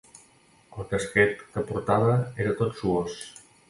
El casquet que portava era tot suós.